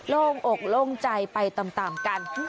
ร่องอกล่วงใจไปต่ำกัน